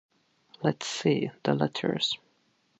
Let's see the letters.